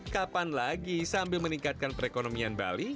kapan lagi sambil meningkatkan perekonomian bali